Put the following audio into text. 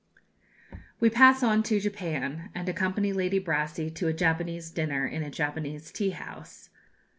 We pass on to Japan, and accompany Lady Brassey to a Japanese dinner in a Japanese tea house.